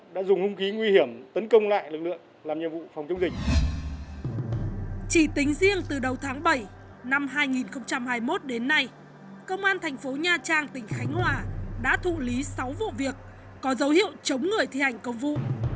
đầu tháng bảy năm hai nghìn hai mươi một đến nay công an thành phố nha trang tỉnh khánh hòa đã thụ lý sáu vụ việc có dấu hiệu chống người thi hành công vụ